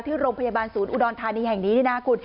ที่โรงพยาบาลศูนย์อุดรธานีแห่งนี้นี่นะคุณ